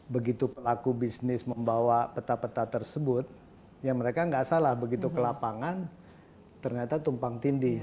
begitu pelaku bisnis membawa peta peta tersebut ya mereka nggak salah begitu ke lapangan ternyata tumpang tindih